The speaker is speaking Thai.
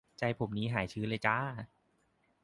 ใจผมนี้หายชื้นเลยจร้า